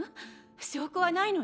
証拠はないのよ。